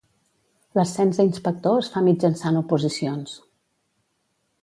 L'ascens a inspector es fa mitjançant oposicions.